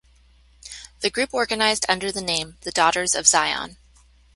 The group organized under the name The Daughters of Zion.